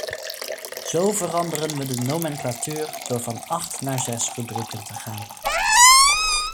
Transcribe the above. Zo veranderen we de nomenclatuur door van acht naar zes rubrieken te gaan.